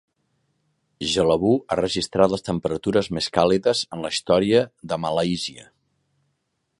Jelebu ha registrat les temperatures més càlides en la història de Malàisia.